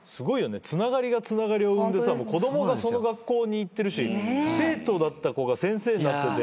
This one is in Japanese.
つながりがつながりを生んでさ子供がその学校に行ってるし生徒だった子が先生になってて。